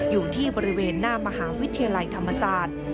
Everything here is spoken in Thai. อยู่ที่บริเวณหน้ามหาวิทยาลัยธรรมศาสตร์